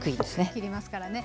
切りますからね。